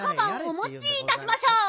おもちいたしましょう。